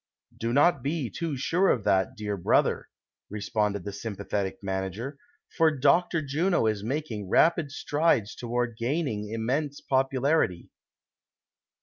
'•'■Do not be too sure of that, dear brother," responded the sympathetic manager, "for Dr. Juno is making rapid strides toward gaining immense popularity."